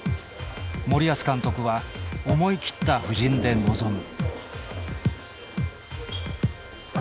森保監督は思い切った布陣で臨む。